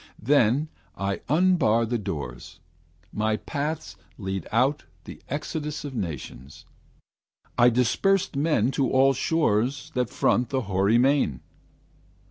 Then I unbar the doors: my paths lead out The exodus of nations: I disperse Men to all shores that front the hoary main.